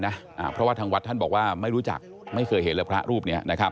เพราะว่าทางวัดแท่นบอกว่าไม่เคยเห็นเรื่องของพระรูป